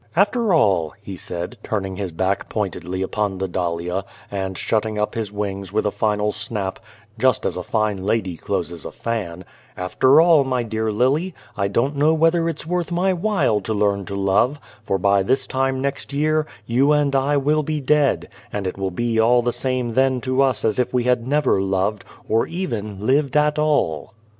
"After all," he said, turning his back pointedly upon the dahlia, and shutting up his wings with a final snap just as a fine lady closes a fan "after all, my dear lily, I don't know whether it's worth my while to learn to love ; for, by this time next year, you and I will be dead, and it will be all the same then to us as if we had never loved, or even lived at all."